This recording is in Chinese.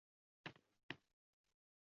看着他长大